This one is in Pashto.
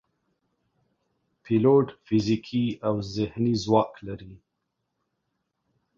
پیلوټ فزیکي او ذهني ځواک لري.